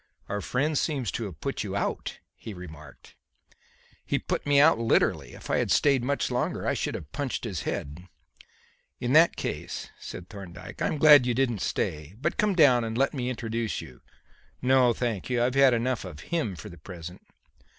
"Our friend seems to have put you out," he remarked. "He put me out literally. If I had stayed much longer I should have punched his head." "In that case," said Thorndyke, "I am glad you didn't stay. But come down and let me introduce you." "No, thank you. I've had enough of him for the present."